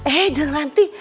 eh jeng ranti